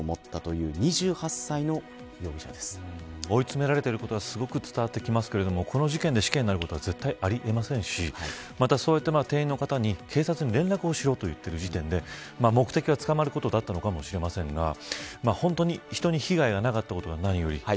追い詰められていることはすごく伝わってきますけれどもこの事件で死刑になることは絶対にあり得ませんしそうやって、店員の方に警察に連絡をしろと言っている時点で目的は、捕まることだったのかもしれませんが本当に人に被害がなかったことが何より。